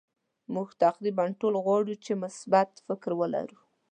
مونږ تقریبا ټول غواړو چې مثبت فکر ولرو.